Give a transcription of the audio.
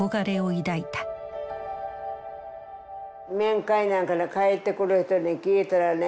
面会なんかに帰ってくる人に聞いたらね